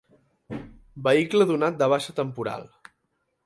Vehicle donat de baixa temporal.